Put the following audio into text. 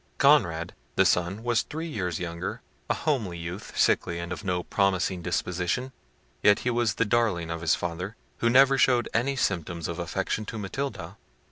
Conrad, the son, was three years younger, a homely youth, sickly, and of no promising disposition; yet he was the darling of his father, who never showed any symptoms of affection to Matilda.